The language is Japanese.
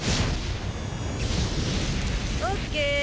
オーケー！